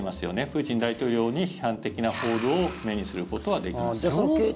プーチン大統領に批判的な報道を目にすることはできません。